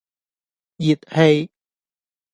熱氣